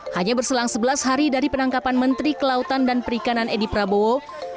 hanya berselang sebelas hari dari penangkapan menteri kelautan dan perikanan edi prabowo